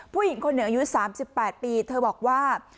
ผู้หญิงคนหนึ่งอายุ๓๘ปีเธอบอกว่า